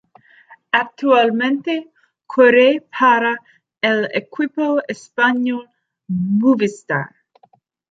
Actualmente corre para el equipo español Movistar.